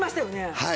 はい。